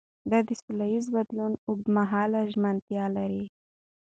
ده د سولهییز بدلون اوږدمهاله ژمنتیا لري.